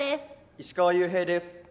石川裕平です。